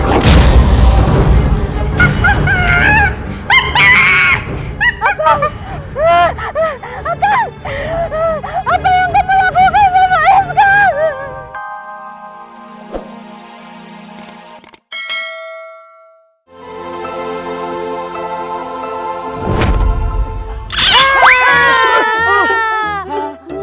apa yang kau lakukan sama eska